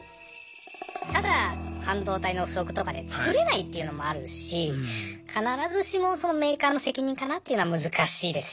ただ半導体の不足とかで作れないっていうのもあるし必ずしもそのメーカーの責任かなっていうのは難しいですよね。